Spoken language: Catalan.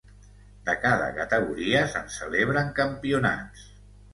De cada categoria se'n celebren campionats.